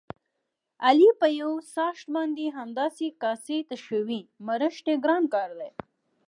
علي په یوڅآښت باندې همداسې کاسې تشوي، مړښت یې ګران کار دی.